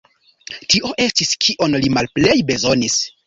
Tio estis, kion li malplej bezonis.